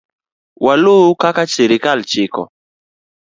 Waluw kaka sirkal chiko